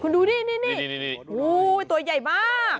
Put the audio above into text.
คุณดูดินี่ตัวใหญ่มาก